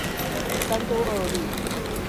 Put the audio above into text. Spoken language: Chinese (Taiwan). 三多二路